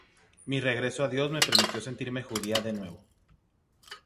Mi regreso a Dios me permitió sentirme judía de nuevo".